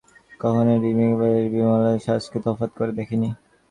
আজকের দিনের পূর্ব পর্যন্ত আমি কখনোই বিমলাকে এবং বিমলার সাজকে তফাত করে দেখি নি।